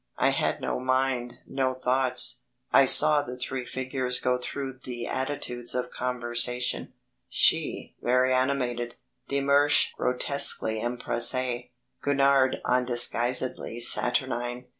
I had no mind, no thoughts. I saw the three figures go through the attitudes of conversation she very animated, de Mersch grotesquely empressé, Gurnard undisguisedly saturnine.